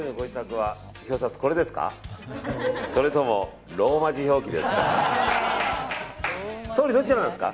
それともローマ字表記ですか。